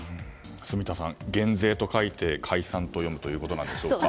住田さん、減税と書いて解散と読むということでしょうか。